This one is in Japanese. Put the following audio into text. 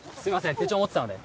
手帳を持ってたので。